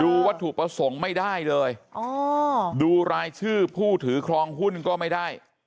วัตถุประสงค์ไม่ได้เลยดูรายชื่อผู้ถือครองหุ้นก็ไม่ได้